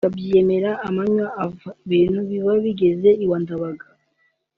ukabyiyemerera amanywa ava ibintu biba bigeze iwa Ndabaga